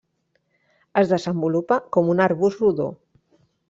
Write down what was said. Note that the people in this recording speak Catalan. Es desenvolupa com un arbust rodó.